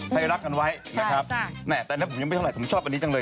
ไทยรัฐกันไว้นะครับตอนนี้ผมยังไม่เท่าไหผมชอบอันนี้จังเลย